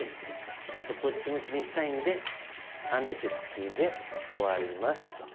あとこっちも気にしたいんでハネてツイで終わりますと。